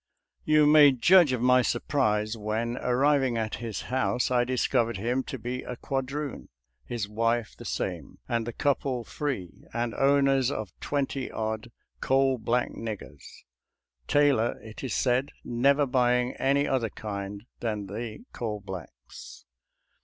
You may judge of my surprise when, arriving at his house, I discovered him to be a quadroon, his wife the same, and the couple free, and own ers of twenty odd coal black niggers — Taylor, it is said, never buying any other kind than the coal blacks.